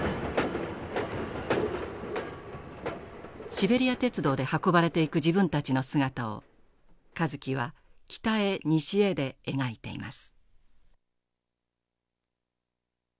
シベリア鉄道で運ばれていく自分たちの姿を香月は「北へ西へ」で描いています。